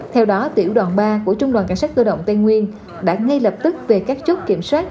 theo đó tiểu đoàn ba của trung đoàn cảnh sát cơ động tây nguyên đã ngay lập tức về các chốt kiểm soát